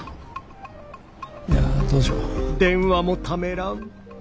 いやどうしよう。